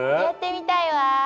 やってみたいわ。